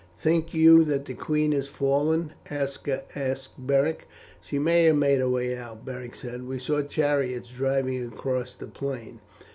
"Think you that the queen has fallen?" Aska asked Beric. "She may have made her way out," Beric said; "we saw chariots driving across the plain.